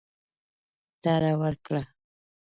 طرح ورکړه.